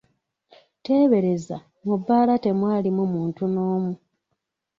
Teebereza, mu bbaala temwalimu muntu n'omu!